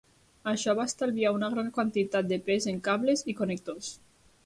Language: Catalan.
Això va estalviar una gran quantitat de pes en cables i connectors.